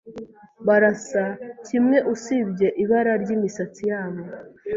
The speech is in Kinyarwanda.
Barasa kimwe usibye ibara ryimisatsi yabo.